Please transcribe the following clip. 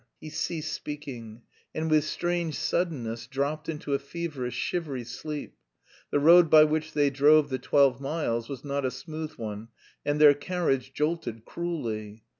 He ceased speaking, and with strange suddenness dropped into a feverish shivery sleep. The road by which they drove the twelve miles was not a smooth one, and their carriage jolted cruelly.